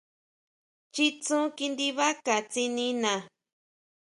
Chitsu kindibaca tsinina.